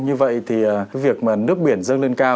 như vậy thì việc nước biển dâng lên cao